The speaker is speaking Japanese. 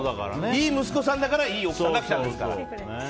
いい息子さんだからいい奥さんが来たんですから。